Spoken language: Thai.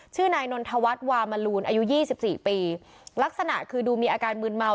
ชื่อนายนนทวัฒน์วามลูนอายุยี่สิบสี่ปีลักษณะคือดูมีอาการมืนเมา